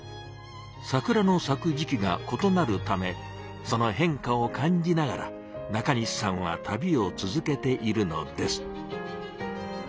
桜の咲く時期がことなるためその変化を感じながら中西さんは旅を続けているのです。